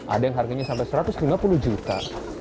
ada yang harganya sampai satu ratus lima puluh juta